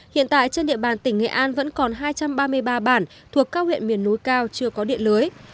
hiện tại trên địa bàn tỉnh nghệ an vẫn còn hai trăm ba mươi ba bản thuộc các huyện miền núi cao chưa có điện lưới